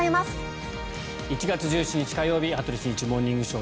１月１７日、火曜日「羽鳥慎一モーニングショー」。